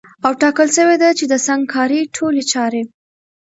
او ټاکل سوې ده چي د سنګکارۍ ټولي چاري